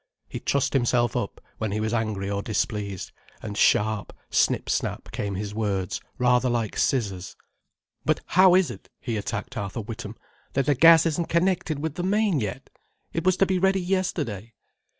He trussed himself up, when he was angry or displeased, and sharp, snip snap came his words, rather like scissors. "But how is it—" he attacked Arthur Witham—"that the gas isn't connected with the main yet? It was to be ready yesterday."